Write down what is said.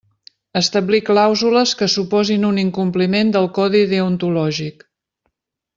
Establir clàusules que suposin un incompliment del Codi Deontològic.